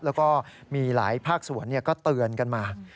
แล้วก็มีหลายภาคส่วนก็เตือนกันมา